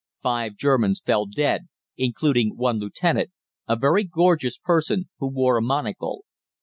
Five Germans fell dead, including one lieutenant, a very gorgeous person who wore a monocle.